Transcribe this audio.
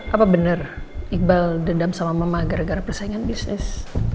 apa benar iqbal dendam sama mama gara gara persaingan bisnis